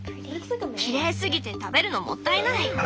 きれいすぎて食べるのもったいない！